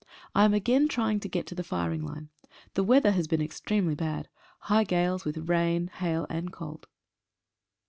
I am again try ing to get to the firing line. The weather has been ex tremely bad — high gales, with rain, hail, and cold.